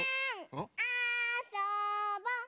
あそぼ！